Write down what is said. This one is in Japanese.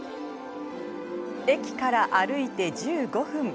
駅から歩いて１５分。